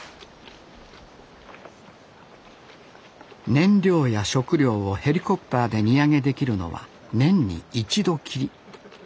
燃料や食料をヘリコプターで荷上げできるのは年に一度きり。